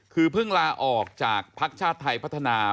คือเท่ากับเข้าราออกจากพรรคชาติไทยพัฒนา